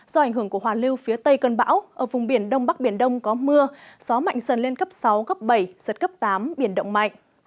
do ảnh hưởng của hòa lưu phía tây cơn bão ở vùng biển đông bắc biển đông có mưa gió mạnh dần lên cấp sáu cấp bảy giật cấp tám biển động mạnh